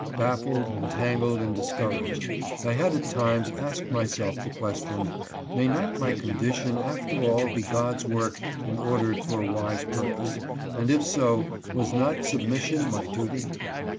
Baffled, entangled and discouraged, I had at times asked myself the question, May not my condition after all be God's work and ordered for a wise purpose, and if so, was not submission my duty